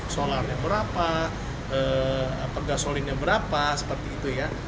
solarnya berapa pergasolinnya berapa seperti itu ya